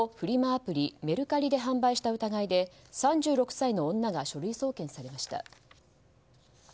アプリ、メルカリで販売した疑いで３６歳の女が書類送検されました。